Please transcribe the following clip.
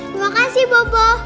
terima kasih bopo